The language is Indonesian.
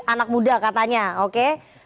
anak muda katanya oke